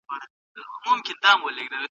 فاضله ښار د افلاطون ایډیال و.